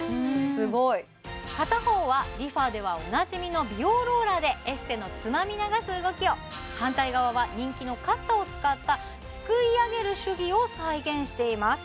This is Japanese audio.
すごい片方はＲｅＦａではおなじみの美容ローラーでエステのつまみ流す動きを反対側は人気のカッサを使ったすくい上げる手技を再現しています